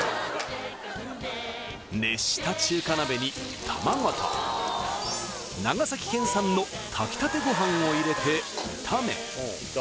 熱した中華鍋に卵と長崎県産の炊きたてご飯を入れて炒め